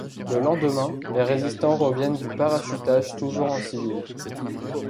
Le lendemain, les Résistants reviennent du parachutage, toujours en civil.